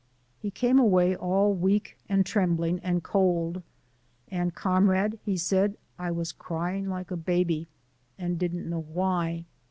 He came away all weak and trembling and cold, and, "Comrade," he said, "I was cryin' like a baby, and didn't know why."